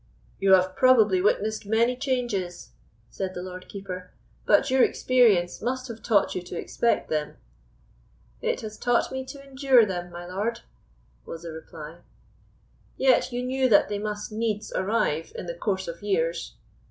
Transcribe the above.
"You have probably witnessed many changes," said the Lord Keeper; "but your experience must have taught you to expect them." "It has taught me to endure them, my lord," was the reply. "Yet you knew that they must needs arrive in the course of years?"